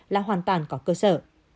là hoàn toàn có cơ sở